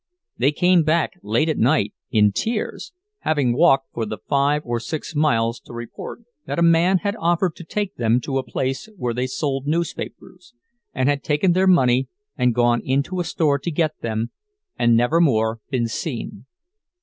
They came back late at night in tears, having walked for the five or six miles to report that a man had offered to take them to a place where they sold newspapers, and had taken their money and gone into a store to get them, and nevermore been seen.